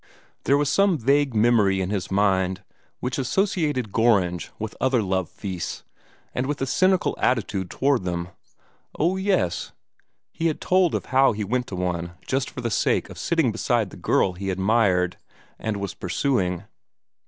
There was some vague memory in his mind which associated Gorringe with other love feasts, and with a cynical attitude toward them. Oh, yes! he had told how he went to one just for the sake of sitting beside the girl he admired and was pursuing.